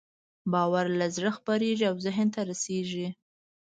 باور له زړه خپرېږي او ذهن ته رسېږي.